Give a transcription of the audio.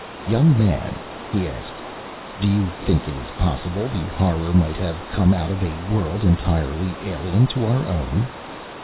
"Young man," he asked, "do you think it possible the Horror might have come out of a world entirely alien to our own?"